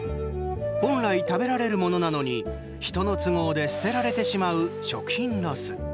本来食べられるものなのに人の都合で捨てられてしまう食品ロス。